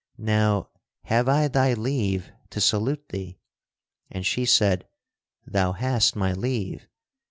Now have I thy leave to salute thee?" And she said, "Thou hast my leave."